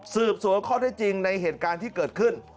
สืบสวนข้อได้จริงในเหตุการณ์ที่เกิดขึ้น